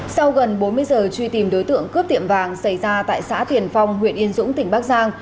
sau gần bốn mươi giờ truy tìm đối tượng cướp tiệm vàng xảy ra tại xã tiền phong huyện yên dũng tỉnh bắc giang